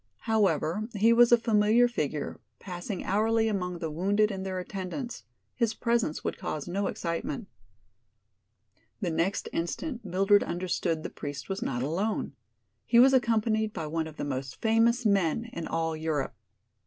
However, he was a familiar figure, passing hourly among the wounded and their attendants; his presence would cause no excitement. The next instant Mildred understood the priest was not alone. He was accompanied by one of the most famous men in all Europe.